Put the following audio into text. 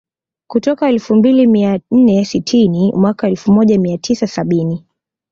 kutoka elfu mbili mia nne sitini mwaka elfu moja mia tisa sabini